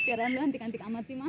kiraan lo antik antik amat sih mah